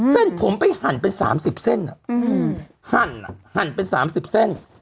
เส้นผมไปหั่นเป็นสามสิบเส้นหั่นหั่นเป็นสามสิบเส้น